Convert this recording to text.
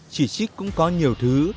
chỉ trích cũng có nhiều thứ